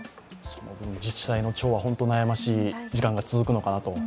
その分、自治体の長は本当に悩ましい時間が続くのかなと。